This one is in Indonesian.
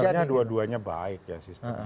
sebenarnya dua duanya baik ya sistemnya